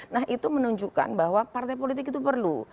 nah itu menunjukkan bahwa partai politik itu perlu